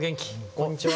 こんにちは。